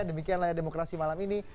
demikian layar demokrasi malam ini